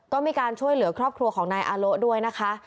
ก็มีการช่วยเหลือครอบครัวของนายอาโละด้วยนะคะ